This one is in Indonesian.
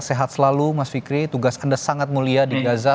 sehat selalu mas fikri tugas anda sangat mulia di gaza